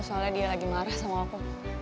soalnya dia lagi marah sama aku